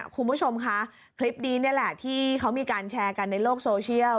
คุณผู้ชมคะคลิปนี้นี่แหละที่เขามีการแชร์กันในโลกโซเชียล